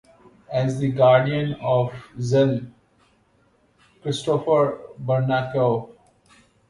As the guardian of Kjeld Kristoffer Barnekow.